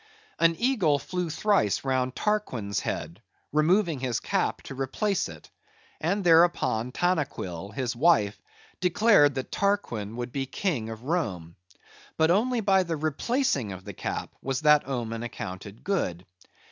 An eagle flew thrice round Tarquin's head, removing his cap to replace it, and thereupon Tanaquil, his wife, declared that Tarquin would be king of Rome. But only by the replacing of the cap was that omen accounted good.